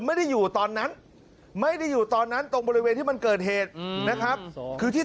ไม่ได้อยู่ตอนนั้นไม่ได้อยู่ตอนนั้นตรงบริเวณที่มันเกิดเหตุนะครับคือที่